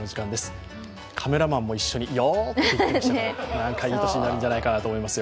カメラマンも一緒に「よ」って言っていましたから、なんかいい年になるんじゃないかなと思いますよ。